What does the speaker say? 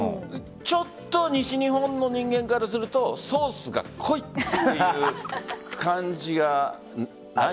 ちょっと西日本の人間からするとソースが濃いという感じがない？